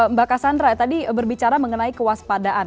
mbak cassandra tadi berbicara mengenai kewaspadaan